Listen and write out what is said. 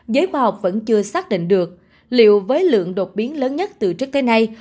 giới khoa học vẫn chưa xác định được liệu với lượng đột biến lớn nhất từ trước tới nay